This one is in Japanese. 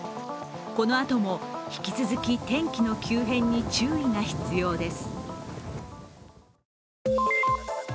このあとも引き続き天気の急変に注意が必要です。